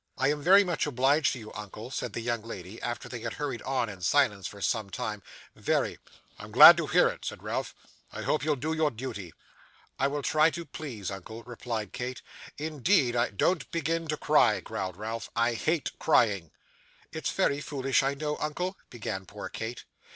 'I am very much obliged to you, uncle,' said the young lady, after they had hurried on in silence for some time; 'very.' 'I'm glad to hear it,' said Ralph. 'I hope you'll do your duty.' 'I will try to please, uncle,' replied Kate: 'indeed I ' 'Don't begin to cry,' growled Ralph; 'I hate crying.' 'It's very foolish, I know, uncle,' began poor Kate.